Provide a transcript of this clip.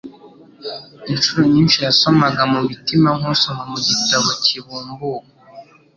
Incuro nyinshi yasomaga mu mitima nk'usoma mu gitabo kibumbuwe,